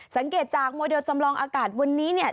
สังเกตจากโมเดลจำลองอากาศวันนี้เนี่ย